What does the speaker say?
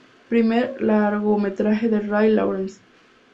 Primer largometraje de Ray Lawrence.